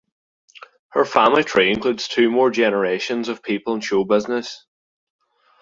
Her family tree includes two more generations of people in show business.